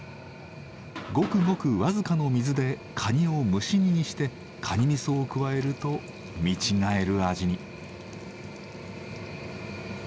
ごくごく僅かの水でカニを蒸し煮にしてカニみそを加えると見違える味に。